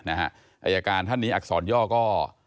อายการท่านนี้อักษรย่อก็